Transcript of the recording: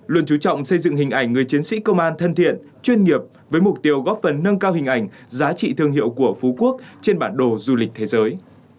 luôn chú trọng xây dựng hình ảnh người chiến sĩ công an thân thiện chuyên nghiệp với mục tiêu góp phần nâng cao hình ảnh giá trị thương hiệu của phú quốc trên bản đồ du lịch thế giới